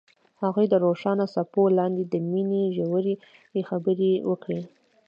هغوی د روښانه څپو لاندې د مینې ژورې خبرې وکړې.